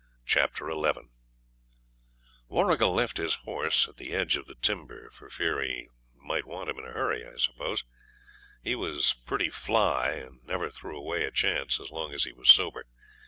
Chapter 11 Warrigal left his horse at the edge of the timber, for fear he might want him in a hurry, I suppose. He was pretty 'fly', and never threw away a chance as long as he was sober.